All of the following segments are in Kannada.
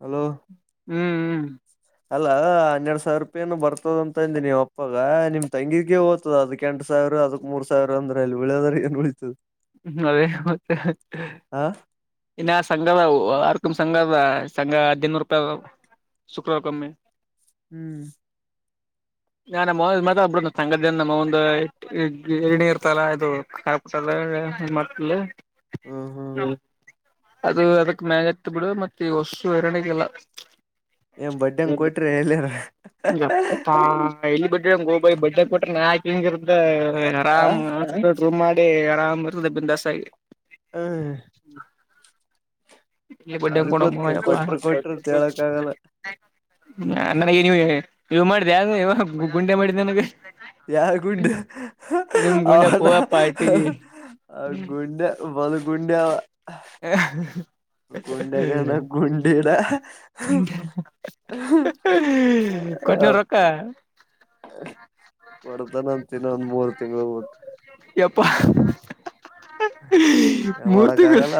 ಹಲೋ ಹ್ಮ್ ಹ್ಮ್ ಅಲ್ಲಾ ಹನ್ನೆರಡ್ ಸಾವಿರ ರೂಪಾಯನು ಬರ್ತದ ಅಂತಂದ ನೀವು ಅಪ್ಪಾಗ ನಿಮ್ ತಂಗಿಗೆ ಓದ್ತದ ಅದ್ ಎಂಟು ಸಾವಿರ ಅದಕ್ ಮೂರ್ ಸಾವಿರ ಅಂದ್ರ ಅಲ್ಲಿ ಉಳಿದದ್ರ ಏನ್ ಉಳೀತು ಅದೇ ಮತ್ತೆ ಹಾ ಇನ್ನಾ ಸಂಘದ ಯರ್ಕ ಸಂಘದಾ ಸಂಘ ಹದನೂರು ರೂಪಾಯಿ ಶುಕ್ರ ಕಮ್ಮಿ ಹ್ಮ್ [unintelligible] [unintelligible] ಮತ ಹ್ಮ್ ಹ್ಮ್ ಅದು ಅದಕ್ ಮ್ಯಾಗತ್ತ ಬಿಡು ಮತ್ತೆ ಈ ಹೊಸ್ಸು ಎರರಣಿಗೆಲ್ಲ ಏನ್ ಬಡ್ಡಂಗ್ ಕೊಟ್ರಿ ಎಲ್ಲಿಾರ ಎಲ್ಲಿ ಬಡ್ ಗೋಬಾಯಿ ಬಡ್ಡಡೆ ಕೊಟ್ರ ನ ಹಂಗಿ ಆ ಆರಾಮ್ ಮಾಡಿ ಆರಾಮ್ ಇರುದ ಬಿಂದಾಸಗಿ ಹ್ಮ್ [unintelligible] ಹ ಯಾರ ಗೊತ್ತ ಕೊಟ್ರ ಕೊಟ್ರ ಅಂತ ಹೇಳಕ್ ಆಗಲ್ಲ ನನಗೆ ನೀವು ನೀವು ಮಾಡಿದೆ ಯ ಇವ ಗುಂಡೆ ಮಾಡಿದಿ ನನಗೆ ಯಾರ್ ಗುಂಡ ನಿಮ್ ಆ ಗುಂಡ್ಯಪ್ಪ ಹೋಗಪ್ಪ ಇಟ್ಟಿಗಿ ಆ ಗುಂಡ ಬಲು ಗುಂಡ ಹ್ಮ್ ಹ್ಮ ಕೊಟ್ನ ರೊಕ್ಕ ಕೊಡ್ತಾನ ಅಂತಿನ ಒಂದ್ ಮೂರ್ ತಿಂಗಳ ಯಪ್ಪಾ ಏನ್ ಮೂರ್ ಮಾಡಕ್ ತಿಂಗಳು ಆಗಲ್ಲ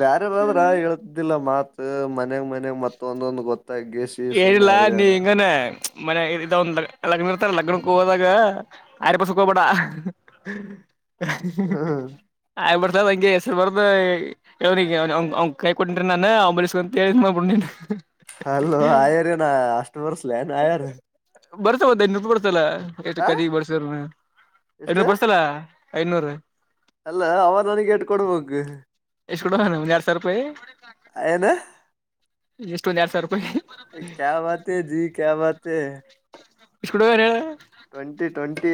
ಬ್ಯರೆ ಬದ್ರ ಹೇತಿದ್ದಿಲ್ಲ ಮಾತ್ ಮನೆಗ್ ಮನೆಯಾಗ ಮತ್ತ ಒಂದೊಂದು ಗೊತ್ತ ಏನಿಲ್ಲಾ ನೀ ಇಂಗಾನ. ಮನೆ ಇದ ಒಂದ ಲಗ್ ಲಗ್ನ ಇರ್ತಾರ ಲಗ್ನಕ್ಕ ಹೋದಾಗ ಆರ ಪಸಕ್ ಹೋಗ್ಬೇಡ. ಹ ಹ ಹ್ಮ್ ಆಯ ಹಂಗೆ ಹೆಸರು ಬರ್ದುನಿಗೆ ಕೈ ಕೊಟ್ರೆ ನಾನು ಅವ [unintelligible] ಹಲೋ ಆಯ ರ ನಾ ಅಷ್ಟ ವರ್ಷ ಲಯನು ಆ ರ ಬರ್ತ ಬದ ನೂರು ಬರ್ತಲ್ಲ ಎಷ್ಟು ಕದಿ ಬರ್ಸ್ ಎಷ್ಟು ಎನೂರು ಬರ್ಸಲ ಐನೂರು ಅಲ್ಲ ಅವ ನನಗೆೇಟ್ ಕೊಡ್ಬ [unintelligible] ನಿಮ್ಗ ಎರ್ಡ್ ಸಾವ್ರ ರೂಪಾಯಿ ಏನು ಎಷ್ಟೊಂದ ಎಡ್ ಸಾವಿ ರೂಪಾಯಿ ಕ ಬತೇ ಜೀ ಕ ಬತ ಹ ಇಷಕೂಡವರೆ ಟ್ವೆಂಟಿ ಟ್ವೆಂಟಿ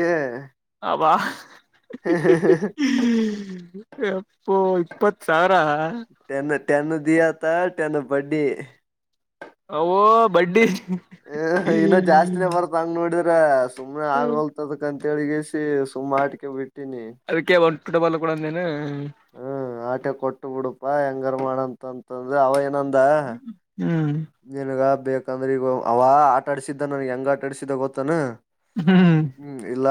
ಹ ಅಪ್ಪೋ ಇಪ್ಪತ್ ಸಾವಿರ ಟೆನ್ ಟೆನ್ ದಯತಾ ಟೆನ್ ಬಡಿ ೋ ಬಡ್ಡಿ ಹ ಇನ್ನ ಜಾಸ್ತಿನೇ ಬರುತ್ತ ಹಂಗ ನೋಡಿದ ್ರ ಸುಮ್ನೆ ಆಗಲ್ತದಂತಗಸ ಸುಮ್ಮ್ ಆಟಿಕೆ ಬಿಟ್ಟ ಅದಕ್ಕೆ ಒಂದು ಪುಟಬಲ್ಲ ಕೂಡಂದೇನು ಹ್ಮ ಆಟೆ ಕೊಟ್ಟು ಬಿಡುಪಾ ಹೆಂಗಾರ ಮಾಡಂತಂತಂದ್ರ ಅವ ಹ್ಮ್ ನನ್ಗ ಬೇಕಂದ್ರೆ ಈಗ ಅವ ಆಟಾಡ್ಸಿದ್ದ ನನ್ಗೆ ಹೆಂಗ ಆಟ ಆಡ್ಸಿದ್ದ ಗೊತ್ತಾನ ಹ್ಮ್ ಇಲ್ಲ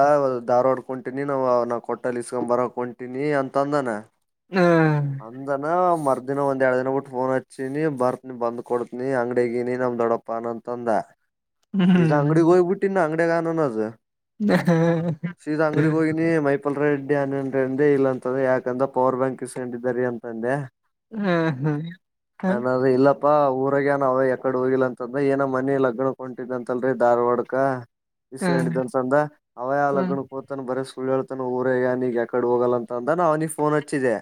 ಧಾರ್ವಾಡ್ಕಂತೀಿನಿ ನಾ್ ಅವ ನ ಕೊಟ್ಟಲ್ಲಿ ಇಸ್ಕೊಂಡ್ ಬರಕಂತೀಿನಿ ಅಂತಂದನ ಹ ಅಂದನ ಮ ಅರ್ ದಿನ ಒಂದ ಎರಡು ದಿನ ಬಿಟ್ಟು ಫೋನ್ ಹಚ್ಚಿನಿ ಬರ್ತನಿ ಬಂದ್ ಕೊಡ್ತನಿ ಅಂಗ್ಡಿಗಿನಿ ನಮ್ ದೊಡಪ್ಪ ಅನ ಅಂತಂದ ಸೀತಾ ಹ್ಮ್ ಅಂಗಡಿ ಗೋಳಬುಟ್ಟಿ ನ ಅಂಗಡ ಗಾನೋ ನಜ ಹ ಸೀತಾ ಹ ಅಂಗಡಿಗ ಹೋಗಿನಿ ಮೈಪಲ್ ರೆಡ್ಡಿ ಏನನ್ಂದೆ ಇಲ್ಲ ಅಂತದ ಯಾಕಂದ್ರ ಪವರ್ ಬ್ಯಾಂಕ್ ಇ ಹಂಡ ರ ಅಂತಂದೆ ಹ್ಮ್ ಹ್ಮ್ ಹ್ಮ ಅಪ್ಪಾ ಊರಾಗನ ಅವ ಎಕಡೆ ಹೋಗಿಿಲ್ಲ ಅಂತಂದ್ರ ಏನ ಮನಿ ಲಗ್ಣ ಕೊಂಟಿದ ಅಂತಲ್ರರಿ ಧಾರ್ವಾಡಕ ಬಿಸಕೊಂಡಿದ್ದಂತಂದ ಅವಯಾಲಗ್ನ ಕೋತನ್ನು ಬರೆಸ ಸುಳ್ಳಳ್ತಾನ ಊರಗ ನೀಗ ಯಕಡೆ ಹೋಗಲ್ಲ ಅಂದ ನಾವ್ನಿಗೆ ಫೋನ್ ಹಚ್ಚಿದ್ದೆ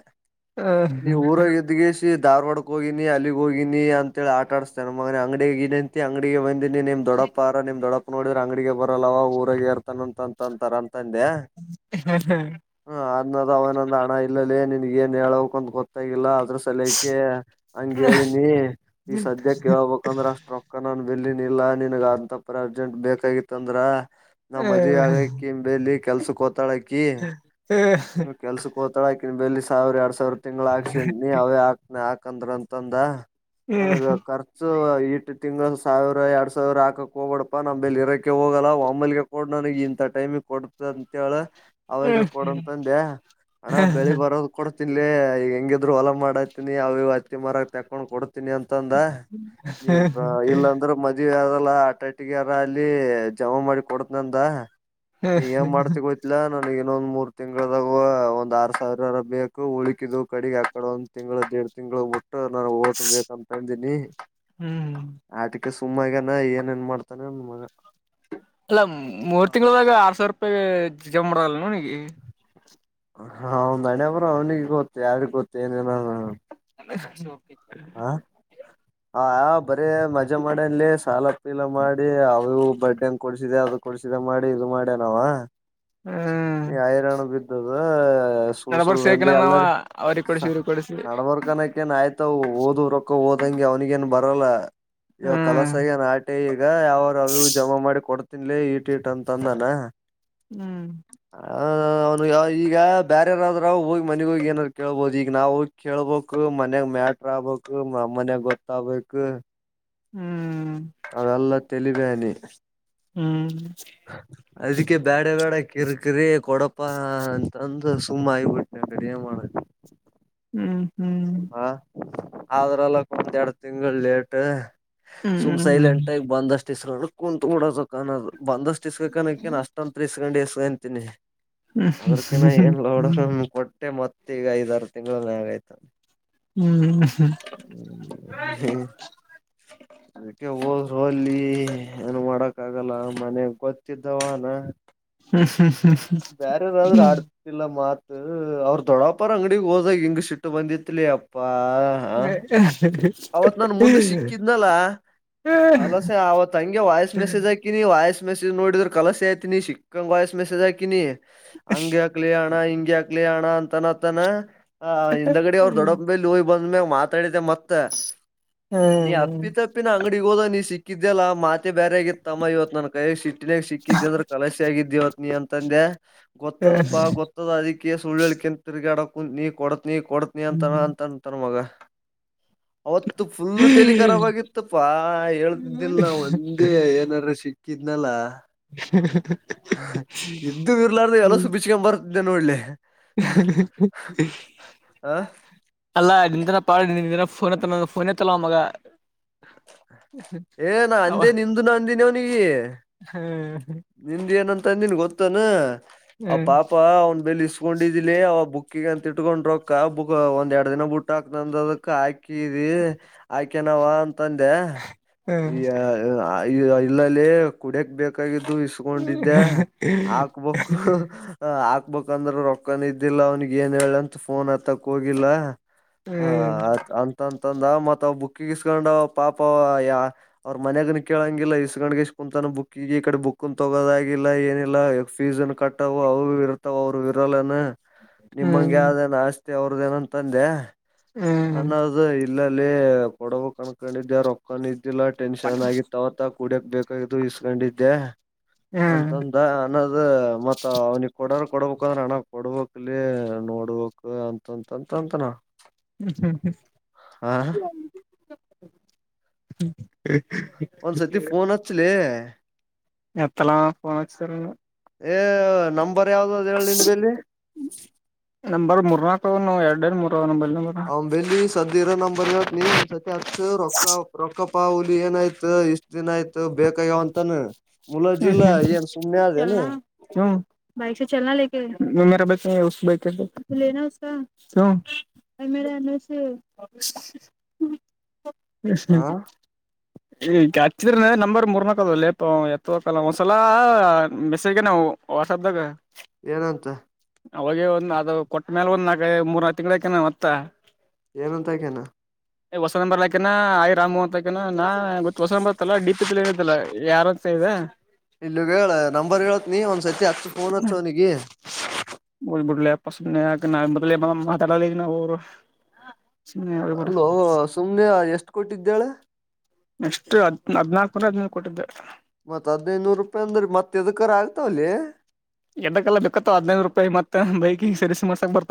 ನೀವು ಊರಾಗ ಎದ್ಗಸಿ ಧಾರ್ವಾಡ ಹೋಗಿನಿ ಅಲ್ಲಿಗೆ ಹೋಗಿನನಿ ಅಂತೇಳಿ ಆಟ ಆಡಸ್ತಾನ ಮನ ಅಂಗಡಿಗೆಂತಿ ಅಂಗಡಿಗೆ ಬಂದ ನೀ ನಿಮ್ ದೊಡಪ್ಪ ಆರ ನಿಮ್ ದೊಡಪ್ಪ ನೋಡ್ರ ಅಂಗಡಿಗೆ ಬರಲ್ಲವ ಊರಾಗ ಇರ್ತಾನ ಅಂತ ಅಂತ ಅಂತಾರಂತ ತಂದೆ ಹ್ಮ್ ಹ ಅದನ ಅವನೊಂದ ಹಣ ಇಲ್ಲಲ್ಲಿ ನಿಿನಗೆ ಹೇಳಕ್ ಅಂತ ಗೊತ್ತಾಗಿಲ್ಲ ಸಲಕೆ ಹಂಗ ಹೇಳಿನಿ ಈ ಸದ್ಯ ಕೇಬೇಕ ಅಂದ್ರೆ ಅಷ್ಟೊಕ್ಕ ಬೆಲ್ಲಿನ್ ಇಲ್ಲಾ ನನ್ಗ್ ಅಂತಪರ ಅರ್ಜೆಂಟ್ ಬೇಕಾಗಿತ್ತ ಅಂದ್ರ ನಾ್ ಮದ್ಿ ಆಗಕಿ ಬೆಲ್ಲಿ ಕೆಲ್ಸಕ್ ೋತಾಳಕಿ ಕೆಲ್ಸಕ್ ೋತಾಳಕಿ ಬೆಲ್ಲಿ ಸಾವಿರ ಎರಡ್ ಸಾವಿರ ಸಾವ್ರ ತಿಂಗಗಳು ಹಾಕ್ಸಿದಿ ಅವೇ ಹಾಕ್ನ ಹಾಕಂದ್ರ ಅಂತಂದ ನನಗ ಖರ್ಚು ಇಟ್ಟ ತಿಂಗಳು ಸಾವಿರ ಎರಡ್ ಸಾವಿರ ಹಾಕಕ್ ಹೋಗಬಡಪ್ಪಾ ನಮ್ಮ್ೇಲೆ ಇರಕೆ ಹೋಗಲ್ಲ ಒಮ್ಮಲ್ ಕೊ ನನ ಇಂತ ಟೈಮಿಗೆ ಕೊಡತ ಅಂತೇಳ ಅವಾಗ ಕೊಡಂತಂದೆ ಹಣ ಬೆಳಿಗ್ ಬರೋದ ಇಲ್ಲಿ ಈಗ ಹೆಂಗಿದ್ರು ಹೊಲ ಮಾಡತಿನಿ ಅವ ಅತ್ತಿ ಮರಕ್ ತಕೊಂಡ್ ಕೊಡ್ ಿ ಅಂತಂದ ನೀ ಇಲ್ಲಂದ್ರೆ ಮದ ಅದಲ್ಲ ಆಟ ಅಟ್ಟಿಗೆ ಯಾರ ಅಲ್ಲಿ ಜಮಾ ಮಾಡಿ ಕೊಡದ ನಂದ ನೀ ಂಗ ಮಾಡ್ತಿ ಗೋಯ್ಲಾ ನನ್ ಇನ್ನೊಂದ ಮೂರ್ ತಿಂಗಗಳದಾಗ ಒಂದ್ ಆರ್ ಸಾವಿರರ ಬ ಉಳಿಕಿದು ಕಡೆಗ್ ಆಕಡೆ ಒಂದ್ ತಿಂಗಳ ದ ಎರಡ್ ತಿಂಗಳು ನ ಓಟ ಬೇಕಂತಂದನಿ ಆಟ ಮತ್ತೆ ಸುಮ್ಮ್ಾಗನ ಏನ್ ಏನ್ ಮಾಡ್ತಾನೆ ನನ್ ಮಗ ಜಮಡಲ್ಲ ನನಗೆ ಹ ನಣೆಯಬರು ಅವ್ನಿಿಗೆ ಗೊತ್ತು ಯಾರಿಗ್ ಗೊತ್ತು ಏನೇನ ಕೆ ಹ ಆ ಬರಿೀ ಮಜಾ ಮಾಡನ್ಲಿ ಸಾಲ ಪ್ಪಿಲ್ಲ ಮಾಡಿ ಅವು ಬಡ್ೆಂಗ ಕೊಡ್ಸಿದೆ ಅದ ಕೊಡ್ಸಿದೆ ಮಾಡಿ ಇದು ಮಾಡ್ಯನಾವ ಹ್ಮ್ ಹಐರಾಣ ಬಿದ್ದದ ಸು ಸುು ನಡಬರ್ಕ್ ಸೇಕಣ ನಾವ ಎಲ್ಲರಿ ಅವ್ರಿಗೆ ಕೊಡ್ಸಿ ಇವ್ರಿಗೆ ಕೊಡ್ಸಿ ನಡಬರ್ಕನಕ ಆಯ್ತ ಮ ಓದ್ ರೊಕ್ಕ ಓದಂಗೆ ಅವ್ನಗ ಏನ್ ಬರಲ್ಲ. ಇವ ಹ್ಮ್ ಕಲಸಗನ್ ಆಟಿ ಈಗ ಯಾವರು ಅವರಿಗ ಜಮಾ ಮಾಡಿ ಕೊಡ್ತ. ತಿನ್ಲೇ ಈಟ ಇಟ್ ಅಂತ ಅಂದಾನ. ಹ್ಮ್ ಆ ಈಗ ಬ್ಯಾರ್ಯಾರಾದ್ರ ಹೋಗಿ ಮನೆಗ ಹೋಗಿ ಏನಾದ್ ಕೇಳಬಹದು. ಈಗ ನಾವು ಹೋಗಿ ಕೇಳ್ಬಬೇಕ್. ಮನ್ಯಾಗ ಮ ಆಟರ್ ಆಗ್ಬೇಕು ಅಮ್ಮನ ಗೊತ್ತಾಗಬೇಕು. ಹ್ಮ್ ಅವದಲ್ಲ ತೆಲಿ ಬೇನೆ. ಹ್ಮ್ ಅದಕ್ಕೆ ಬ್ಯಾಡ ಬ್ಯಾಡ. ಕಿರ್ಕರಿ ಕೊಡಪ್ಪ ಅಂತಂದು ಸುಮ್ಮ ಐಬಿಟ್ಟೆ ಅಂಗಡೆ ಏನ್ ಮಾಡ. ಹ್ಮ್ ಹಾ ಆದ್ರಲ್ಲ ಒಂದೆರಡು ತಿಂಗಳು ಲೇಟ್. ಸುಮ್ ಹ್ಮ್ ಸೈಲೆಂಟ್ ಬಂದ ಅಷ್ಟು ಹೆಸರು ಕುಂತು ಬಿಡೋದು. ಕ ಒಂದಷ್ಟು ಇಸ್ಕ ಕಕೇನ್ ಅಷ್ಟ ಅಂತ ಇಸ್ಕೊಂಡು ಇಸ್ಕಂತೀಿನಿ. ಹ್ಮ್ ಅದ್ರಕನ್ನ ಏನ್ ನೋಡ ಕೊಟ್ಟೆ ಮತ್ತ ಈಗ ಐದ ಆರುು ತಿಂಗಳನೆ ಆಗೈತು. ಹ್ಮ್ ಹ್ಮ್ ಹ ಹ್ಮ ಅದಕ್ಕೆ ಹೋದರುಲ್ಲಿ ಏನು ಮಾಡಕ್ ಆಗಲ್ಲ ಮನೆಗ್ ಗೊತ್ತಿದ್ದಾವನ. ಬೇರೆ ಯಾರಾದ್ರೂ ಆಡ್ತಿಲ್ಲ ಮಾತ್. ಅವ್ರ ದೊಡ್ಡಾಪ್ಪಾರ ಅಂಗಡಗ್ ಹೋದಾಗ ಹಿಂಗ್ ಸಿಟ್ಟು ಬಂದಿತ್ಲಿ ಅಪ್ಪಾ. ಹಾ ಹ ಅವತ್ ನನ್ ಮುಂದೆ ಸಿಕ್ಕಿದ್ನಲ್ಲ. ಕಲಸೆ ಆವತ್ ಹಂಗೆ ವಾಯ್ಸ್ ಮೆಸೇಜ್ ಆಾಕಿನ ವಾಯ್ಸ್. ಮೆಸೇಜ್ ನೋಡಿದ್ರೆ ಕಲಸೆ ಆಯ್ತನಿ ಚಿಕ್ಕಂಗ್ ವಯಸ್ ಮೆಸೇ್ ಹಾಕಿನಿ ಹಂಗೆ ಹಾಕ್ಲಿ ಹಣ್ಣ ಹ ಹಾಕ್ಲಿ ಹಣ್ಣ ಅಂತನತ್ತ ಹಿಂದಗಡಿ ಅವ್ ದೊಡ್ಡ ಮೇಲೊಯಿ ಬಂದ್ಮೇ ಮಾತಾಡಿದೆ ಮತ್ತೆ. ಮತ್ತ ನೀ ಅಪ್ಪಿ ತಪ್ಪಿನ ಅಂಗಡಿಗೆ ಹೋದ ನೀ ಸಿಕ್ಕಿದ್ಯಲ್ಲ ಮಾತೆ. ಬೇರೆ ಆಗಿತ್ತಮ್ಮ ಇವತ್ ನನ್ ಕೈಯ ಸಿಟ್ಟಿನಾಗ ಸಿಕ್ಕಿದ ಅಂದ್ರೆ ಕಲಸಿ ಆಗಿದ್ದ ಇವತ್ ನೀ ಅಂತಂದೆ ಗೊತ್ತ. ಪಾ ಗೊತ್ತದ ಅದ ಕೇ ಸುಳ್ಳಳ್ಿಕಂತ ತಿರುಗಾಡಕ ಕುತ್ ನೀ ಕೊಡತ್ ನೀ ಕೊಡತ್ ನೀ ಅಂತ ಅಂತ ಅಂತಾರ್ ಮಗ. ಅವತ್ತು ಫುಲ್ ತೆಲಿ ಖರಬತ್ತಪ್ಪಾ ಹೇಳ್ತಿದ್ದಿಿಲ್ಲ ನ ಒಂದೇ ಏನಾರ ಸಿ ಇದ್ನಲ್ಲ. ಕ [unintelligible] ಇದ್ದು ಇರ್ಲಾರ್ದು ಎಲ್ಲೋ ಸು ಬಿಚ್ಕೊ್ ಬರ್ತಿದ್ದೆ ನೋಡ್ಲಿ. ಆ ಅಲ್ಲ ಿನ ಪಾ ನಿ ೋನ್ ಫೋನತ್ತಲ್ಲ ಮಗ. ಏ ನಾ ಅವ ಅಂದೇ ನಿಂದು ನ ಅಂದಿನವ್ನಿಗೆ. ಹ್ಮ್ ನಿಂದ ಏನಂತ ಅಂದಿನ್ ಗೊತ್ತನ್ ಅವ ಹ್ಮ್ ಪಾಪ ಅವನ್ ಬೆಲೆ ಇಸ್ಕೊಂಡಿದಿಲಿ ಅವ ಬುಕ್. ಅಕ್ಕಿಂತ ಇಟ್ಕೊಂಡ್ರೊಕ್ಕ ಬುಕ್ ಒಂದ್ ಎರಡ್ ದಿನ ಬುಟ್ಟ ಹಾಕ್ನಂದ ಅದಕ್ ಹಾಕಿದಿ ಹಾಕ್ಯನಾವ ಅಂತ. ತಂದೆ ಈ ಹ್ಮ್ ಇಲ್ಲಲ್ಲಿ ಕುಡಿಯಕ್ ಬೇಕಾಗಿ. ದು ಇಸ್ಕೊಂಡಿದ್ದೆ ಹಾಕ್ಬೇಕು. ಹಾಕ್ಬಂದ್ರ ರೊಕ್ಕನ ಇದ್ದಿಲ್ಲ ಅವ್ನಿಗೆ ಏನ್ ಹೇಳಂತ ಫೋನ್ ಹತ್ತಕ್ ಹೋಗಿಲ್ಲ. ಹಾ ಅಂತ ಂದ ಮತ್ ಅವ್ ಬುಕ್ಕಿಗೆ ಇಸ್ಕೊಂಡ್ ಪಾಪ ಯ ಅವ್ರ ಮನ್ಯಾಗ ನಿ ಕೇಳಂಗಿಲ್ಲ ಇಸ್ಕಂಡ್ಗೆಷ್ಟ ಕುಂತ. ಬುಕ್ಕ ಈಡೆ ಬುಕ್ ಕನ್ ತಗೋದಾಗಿಲ್ಲ ಏನಿಲ್ಲ ಯ ಫೀಸ್ನ್ ಕಟ್ಟಾವ ಅವ ಇರ್ತಾವ ಅವರು ಇರಲ್ಲನ. ನಿಮಂಗಗೆ ಹ್ಮ್ ಯಾವ್ದೇನ ಆಸ್ತಿ ಅವ್ರದೇನ ತಂದೆ ಹ್ಮ್ ಅನ್ನದು ಇಲ್ಲಲ್ಲಿ ಕೊಡ ಬೇಕುಕಣ್ಕೊಂಡಿದ್ದೆ ರೊಕ್ಕೊಂಡ ಇದ್ದಿಲ್ಲ ಟೆನ್ಷನ್ ಆಗಿತ್ತವ ತ ಕುಡಿಯಕ್ ಬೇಕಾಗು ಇಸ್ಕೊಂಡಿದ್ದೆ ಹ್ಮ್ ಅಂತಂದ ಅನ್ನದ ಮತ್ತ. ಅವ್ನಿಗೆ ಕೊಡ ಕೊಡ್ಬೇಕು ಅಂದ್ರೆ ಅಣ. ಕೊಡ್ಬೇಕಕ್ಲಿ ನೋಡ್ಬೇಕಕ್ ಅಂತಂತಂತ ಅಂತನ. ಹ್ಮ್ ಹ್ಮ್ ಹ್ಮ್ ಹ್ಮ ಒಂದ್ಸತಿ ಫೋನ್ ಹಚ್ಲ ಎತ್ತಳಾಫೋನ್ಚ್ಚರ ಏ ನಂಬರ್ ಯಾವ್ದ ಅದ ನಿನ್ ಬೆಲ್ಲಿ ಎರಡ್ ಎರಡು ಮೂರ ನೊಂಬೈಲ್ ನಂಬರ ಸರ ನಂಬರ್ ಇ ನೀ ರೊ ರೊಕ ಪ್ಪಾ ಹುಲಿ ಏನಾಯ್ತು ಇಷ್ಟ್ ದಿನ ಆಯ್ತು ಬೇಕಯ್ಯೋ ಅಂತಾನ ಹ ಚಲ ಹ ಬೈಕ್ ಸ ಚಲನಾ ಮೇ ಬೇಕೆ ಬಕ ಮೇಲೆ ಅನುಸ ಹಾ ್ಮಚಂದ ನಂಬರ್ ಮೂರುನಾಕದಲ್ಲ ಇ ತೋ ಕಲ್ಲ ಮಸಲ್ಲ ಮೆಸೇಜ್ ನ ವಾಟ್ಸಆಪ್್ದಾಗ ಏನಂತ ಅವಾಗ ಒಂದ್ ಅದು ಕೊಟ್ಟ ಮೇಲೆ ಒಂದ್ ನಾಕ ಮೂರ್ ತಿಂಗಳಕ ಮತ್ತ ಏನಂತ ಆಕೇನ ಹೊಸಂದ ಬರ್ಲಾಕನಾ ಯ್ ರಾಮು ಅಂತಲಾಕನ ನಾ ಗೊತ್ತು ಹೊಸಂದ ಬರ್ತಲ್ಲ ಡಿ ಪಿ ತ ಹೇಳತಲ್ಲ ಯಾರ ಇದಾ ಇಲ್ಲಗ ಹೇಳ ನಂಬರ್ ಹೇಳತ್ ನೀ ಒಂದ್ಸತಿ ಹಚ್ಚ ಫೋನ್ ಹತ್ ಅವನಿಗೆ ಬುಡ್ಲಲೆಪ ಸ ನ ಮ ಮತೆಡಾಲ ಅಲೋ ಸುಮ್ನೆ ಎಷ್ಟು ಕೊಟ್ಟಿದ್ದಾಳೆ ನೆಕ್ಸ್ಟ್ ಹದ್ ಹದ್ನಾಾಲ್ಕೂರೆ ಹದ್ಿನೇಲೆ ಕೊಟ್ಟಿದ್ದೆ ಮತ್ತತ್ ಹದ್ನೈನೂರು ರೂಪಾಯಿ ಅಂದ್ರೀ ಮತ್ತೆದ ಕರ ಆಗ್ತಾವಲ್ಲೀ ಎಡ್ಡಕ್ಕೆಲ್ಲ ಬೇಕತ್ತ ಹದಿನೈದು ರೂಪಾಯಿ ಮತ್ತೆ ಬೈಕಿಗೆ ಸರಿಸ ಮಾಡ್ಸಕ್ ಬರ್ತ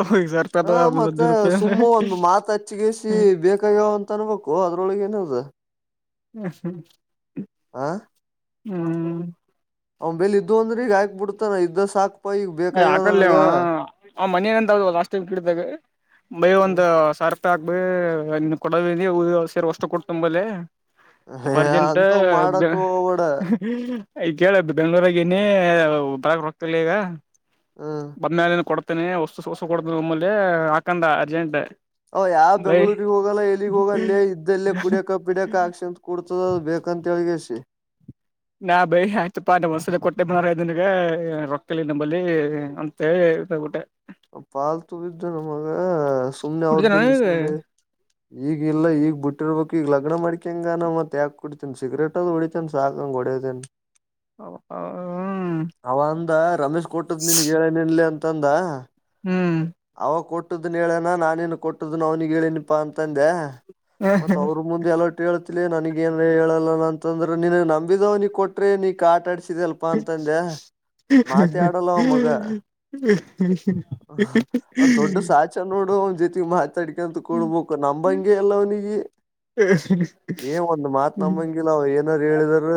ಹ ಮತ್ತೆ ಸುಮ್ಮ ಒಂದು ಮಾತ ಹಚ್ಚಿಗಸಿ ಬೇಕಾಗ್ಯಾವ ಅಂತ ಅನ್ಬೇಕು ಅದ್ರೊಳಗ ಏನ ಹಾ ಹ್ಮ್ ಹ್ಮ್ ಹ್ಮ್ ಅವ್ ಬೇಲ್ ಇದ್ದ್ ಅಂದ್ರಿ ಗಾಯಕ್ ಬಿಡ್ತಾನ ಇದ್ದ ಸಾಕಕ್ ಏ್ ಹಾಕಲ್ವ ಅವ ಮನಂತ ಲಾಸ್ಟ್ ಟೈಮ್ ಕಿಡ್ದಾಗ ಮೈ ಒಂದ್ ಸಾರ್ ಹಾಕ್ಬ ಇ ಕೊಡ ಸೇರ್ ವಷ್ಟು ಕೊಡ್ತಂಬಲೆ ಹ ಅ ಅರ್ಜೆಂಟ್ ಅಂತವ್ ಮಾಡಕ್ ಹೋಗ್ಬೇಡ ಈ ಕೇಳ ಬೆಂಗ್ಳೂರಾಗಏನೇ ಬರಕ್ ರೋಗಕ್ತಲ್ಲ ಈಗ ಹ್ಮ್ ಬದ್್ಮೇಾಲಿನ ಕೊಡ್ತೇನನೆ ಹೊಸ್ತು ಸ ಹೊಸು ಕೊಡ್ತನ ನಮ್ಮಲ್ಲಿ ಹಾಕೊಂಡ ಅರ್ಜೆಂಟ್ ಅವ ಯಾವ ಬೈ ಬೆಂಗಳೂರಿಗೆ ಹೋಗಲ್ಲ ಎಲ್ಲಿಗ್ ಹೋಗಲ್ಲೇ ಇದ್ದಲ್ಲೇ ಕುಡಿಯಕ ಕುಡ್ಯಕ ಆಕ್ಷನ್ತ್ ಕೊಡ್ತದ ಬೇಕ ಕ್ಕಂತಳ್ಿಗಸಿ ನಾ ಬೈ ಆಯ್ತುಪ್ಪಾ್ ಮಸೂಲಿ ಕೊಟ್ಟೆ ಬಾರ ಇದನ್ಗೆ ರೊಕ್ತಲಿ ನಂಬಲ್ಲಿ ಅಂತೇಳಿ ಗಊಟೆ ಪಾಲ್ ತು ಬಿದ್ದೆ ನಮಗ ಸುಮನೆ ಅವ್ರ ಕುಡಿದನ ಬೆಲ್ಲಿಸ ನೋಡಿ ಈಗ ಇಲ್ಲ ಈಗ ಬಿಟ್ಟಿರ್ಬೇಕು ಈಗ ಲಗ್ ಕಗ್ ಮಾಡಡಿಕಂಗ ನ ಮತ್ತೇಾಕ್ ಕುಡತಿ ಸಿಗ್ರೇಟ್ ಅದು ಹೊಡಿತಿ ಸಾಕಂಗಗೆ ಹೊಡತೇಿ ಹ ಹ ಅವ ಅಂದ ರಮೇಶ್ ಕೊಟ್ಟದ್ ನನ್ಗ್ ಹೇಳ ನಿನ್ಲಿ ಅಂತಂದ ಹ್ಮ್ ಕೊಟ್ಟನ್ ಹೇಳನ ನಾನೇನು ಕೊಟ್ಟದನ ಅವ್ನಿಿಗೆ ಹೇಳೇನಿಪಾ ಅಂತಂದೆ ಮತ್ತ ಅವ್ರರು ಮುಂದೆ ಎಲ್ಲ ನನಗ ಏನ್ ಹೇಳಲ್ಲ ಅಂತಂದ್ರೆನ ನಮಿದವ ನೀ ಕೊಟ್ರೆ ನೀ ಕ ಆಟಾಡ್ಸ ಸಿಗಲ್ಪಾ ಅಂತಂದೆ ಮಾತೆ ಆಡಲ್ಲ ಅವ ಮಗ ್ ಜೊತೆಗೆ ಮಾತಾಡ್ಕೊಂತ ಕೊಡ್ಬೇಕು ನಂಬಂಗಗೆ ಅಲ್ಲ ಅವ್ನಿಗೆ ಏ ಒಂದ್ ಮಾತ್ ನಂಬಂಗಿಲ್ಲ ಅವ ಏನಾದಾರರು ಹೇಳಿದ್ರ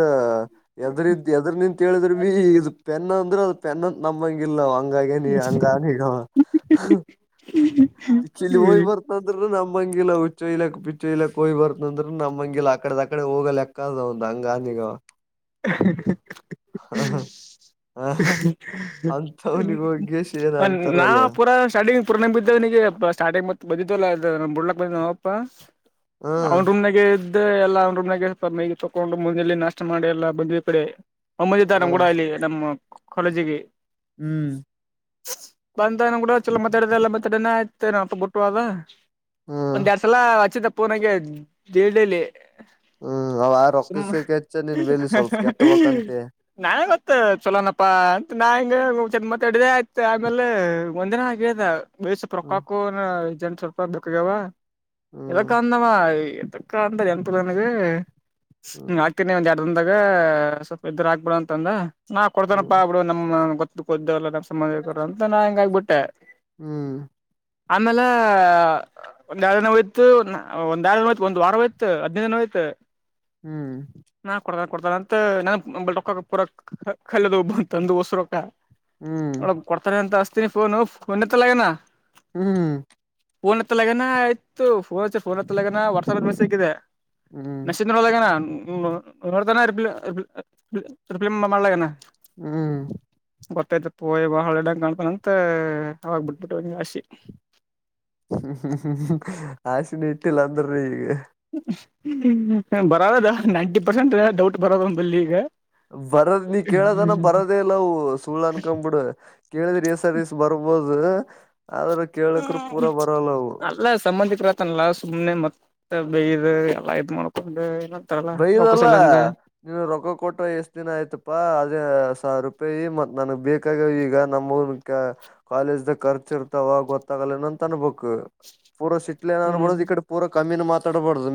ಎದ್ರ ಎದ್ರ ನಿಂತತ್ೇಳಿದ್ರ ಬಿ ಇ ಪನ್ನ ಅಂದ್ರೆ ಅದು ಪೆನ್ನ ನಮ್ಮಂಗ ಇಿಲ್ಲ ಹಂಗ ಹಂಗ ನೀ ಚಲ್ಲಿ ಹೋಗ್ ಹ್ಮ್ ಬರ್ತಂದ್ರ ನಮ [unintelligible] ನಮ್ಮಂಗಿಲ ಹುಚ್ಚಯಲಕ್ ಪಿು ಇಯಲಕ್ ಹಯ್ ಬರ್ತ ಅಂದ್ರ ನಮ್ಮಂಗಿಲ ಅಕಡೆದಕಡೆ ಹೋಗೋ ಲೆಕ್ಕ ಅದ ಒ್ ಹಂಗ ಾ [unintelligible] [unintelligible] ಹ ಅಂತವ್ನಿಗೆ ಹೋಗಿಸಿ ಏನ ನಾ ಅಂತಾರವಲ್ಲ ಪೂಾ ಸ್ಟಾರ್ಟಿಂಗ್ [unintelligible] ಪೂರ ನಂಗ್ ಬಿದ್ದೇ್ ನಗೆಾ ಸಾರ್ಟಂಗ ಮ ಬಿದ್ದಿದವಲ್ಲ ಬಡ್ಲಕ್ ಬಂದ ನಾವಪ್ಪಾ ಹ [unintelligible] ಅವನ್ ರೂಮ್ನಾಗ ಇದ್ದ ಎಲ್ಲಾ ಅವ್ ರೂಮ್ನಾಗ ಮೈ ತಕೊಂಡು ಮುಂದೆಯಲ್ಲಿ ನಾಷ್ಟ ಮಾಡಿ ಎಲ್ಲ ಬಂದ ಈ ಕಡೆ ಒಮ್ಮಂದ ಹ ತ ಕೂಡ ಇಲ್ಲಿ ನಮ್ಮ ಕಾಲೇಜಿಗೆ ಹ್ಮ್ ಬಂದಾನ ಕೂಡ ಚಲೋ ಮತಾಡ ಎಲ್ಲ ಮತಾಡನೆೇ ಆಯ್ತನ ಅಲ್ಪ ಗುಟ್ಟುವಾಗ ಹ್ಮ್ ಒಂದ್ ಎರಡ್ ಸಲ ಆಚ್ಚಿದ ಪುನಗೆ ದಡಲಿ ಹ್ಮ್ ಅವ ಆ ರೊಕ್ಕಿಸಚ್ಚ ನೀನ್ ಬ [inaudible] ನಾ ಗೊತ್ತ ಚಲೋಣಪ್ಪಂತ ನಾ ಹೆಂಗ ತಡದ ಆಯ್ತ ಆಮೇಲೆ ಒಂದಿನ ಆಗದ ಬಯಷ [unintelligible] ಹ್ಮ್ ಪ್ರೊಕಾಕ ಜ ಸ್ವಲ್ಪ ದುಖಾವ [unintelligible] ಇದಕ್ಕ ಹ್ಮ್ ಅಂದವಾ ಇದಕ್ಕ ಅಂತ [unintelligible] ಜಂಂತನಗೆ ಹ್ಮ ಆಗ್ತೀನಿ ಒಂದ್ ಎರಡ್ಂದಾಗ ಸ್ವಲ್ಪ ಇದರು ಹಾಕ್ಬಿಡ [unintelligible] ಅಂತಂದ ನಾ ಕೊಡ್ತನಪ್ಪಾ ಹ್ಮ್ ಬಿಡು ನಮ್ಮ ಗೊತ್ತ ಗೊದ್ರಲ್ಲ ನಮ್ಮ ಸಂಬಂಧ ಇ ಅಂತ ನಾ ಹ ಹೆಂಗ ಆಗ್ಬ ಬಿಟ್ಟೆ ಹ್ಮ್ ಆಮೇಲೆ ಒಂದ್ ಎರಡು ದಿನ ಹೋಯ್ತು ಒಂದ್ರಡು ದ ಹೋಯ್ತು ಒಂದ ವಾರೋಯ್ತು ಹದಿನೈದು ದಿನ ಹೋಯ್ತು ಹ್ಮ್ ಕೊಡ್ತ ಅಂತ ನಕ್ಕಕ್ ಪೂರ ಕಲ್ಲದು ಒಬ್ಬ ಅಂತಂದು ಹೊಸರುೊಕ್ಕ ಹ್ಮ್ ಒಳಗ್ ಕೊಡ್ತಾನ ಅಂತ ಅಸ್ತೀನಿ ಫೋನು ಫೋನ್ ಎತ್ತಲಗನಾ ಹ್ಮ್ ೋನ್ [unintelligible] ಹತ್ತ ಲಗನ ಆಯತು ಫೋ ಫೋನ್ ಹತ್ರ ಲಗನ ಒರ್ಸ ಸಿಕ್ಕಿದೆ ಹ್ಮ್ ಹ್ಮ್ ನಸಂದ್ರಲಗನಾ [unintelligible] ದ ರಿ ರಿಪಲೇ್ ಮಾಡಲ [unintelligible] ಹ್ಮ್ ಗೊತ್ತೈ್ತ ಪಯ ಹಳ್ಳೆಡಂಗ್ ಕಾಣ್ತಾನಂತ ಅವಾಗ ಬಿಟ್ಬಿಟ್ಟುನ್ ಆಾಸಿ [unintelligible] ್ಮ [unintelligible] ಆಶಿನಿ ಇಟ್ಟಿಲ್ಲ ಅಂದ್ರೀ ಈಗ [unintelligible] ಬರದದ ನೈಂಟಿ ಪರ್ಸೆಂಟ್ ಡೌಟ್ ಬರದಂಬಲ್ಲಿ ಈಗ ಬರದ್ [unintelligible] ನೀ ಕೇಳದನ ಬರದೇ ಇಲ್ಲ ಅವು ಸುಳ್ು ಅನ್ಕೊಂಡ್ಬಿಡು ಕೇಳಿದ್ರಿ ಎಸರ್ಸ್ ಬರ್ಬೋದು [unintelligible] ಕೇಳಕ್ರ ಪೂರಾ ಬರಲ್ಲವು ಅಲ್ಲ ಸಂಬಂಧಿಕರತನಲ್ಲ ಸುಮ್ನೆ ಮತ್ ಮ ಬೇಯಿದ ಎಲ್ಲಯತ್ ಮಾಡ್ಕೊಂಡು ಏನಂತಾರಲ್ಲ ಬೈದಲ್ಲ ರೊಕ್ಕಸಲಂದ ನೀವ ರೊಕ್ಕ ಕೊಟ್ಟಿ ಎಷ್ಟ ದಿನ ಆಯ್ತಪಾ ಅದೇ ಸಾವಿ ರೂಪಾಯಿ ಮ ನನಗೆ ಬೇಕಾಗಿ ಈಗ ನಮ್ ಕಾಲೇಜು ಖರ್ಚು ಇರ್ತಾವ ಗೊತ್ತಾಗ ಅಂತ ಅನ್ಬೇಕು ಪೂರ ಸಿಟ್ಲ ಹ್ಮ್ ಅನ್ಬಡ್ದ್ ಈ ಕಡೆ ಪೂರ ಕಮ್ಮಿಿನ ಮಾತಾಡ್ಬಾರ್ದದು